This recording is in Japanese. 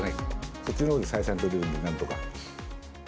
こっちのほうで採算取れるのでなんとか。